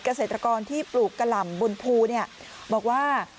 เกษตรกรที่ปลูกกะหล่ำบนภูบอกว่า